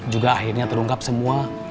juga akhirnya terungkap semua